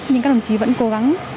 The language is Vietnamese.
nhưng các đồng chí vẫn cố gắng